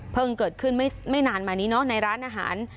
เกิดขึ้นไม่นานมานี้เนอะในร้านอาหาร